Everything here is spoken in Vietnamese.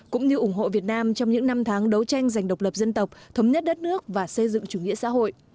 cũng như ủng hộ việt nam trong những năm tháng đấu tranh giành độc lập dân tộc thống nhất đất nước và xây dựng chủ nghĩa xã hội